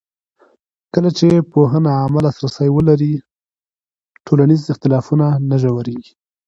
کله چې پوهنه عامه لاسرسی ولري، ټولنیز اختلافونه نه ژورېږي.